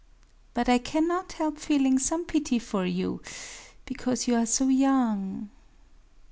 But I cannot help feeling some pity for you,—because you are so young...